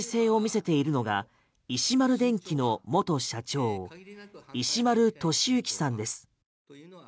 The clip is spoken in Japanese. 慎重な姿勢を見せているのが石丸電気の元社長石丸俊之さんです。